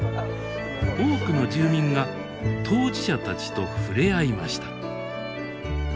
多くの住民が当事者たちと触れ合いました。